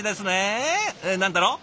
何だろう？